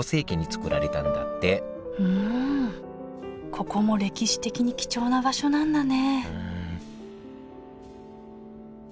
ここも歴史的に貴重な場所なんだね